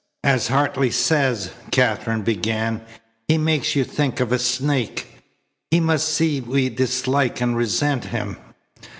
"As Hartley says," Katherine began, "he makes you think of a snake. He must see we dislike and resent him."